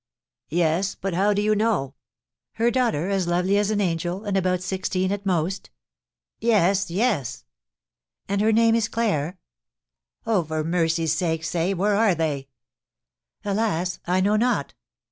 "Yes, but how do you know?" "Her daughter, as lovely as an angel, and about sixteen at most?" "Yes, yes." "And her name is Claire?" "Oh, for mercy's sake, say, where are they?" "Alas! I know not."